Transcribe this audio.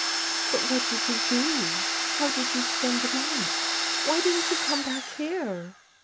"But what did you do? How did you spend the night? Why didn't you come back here?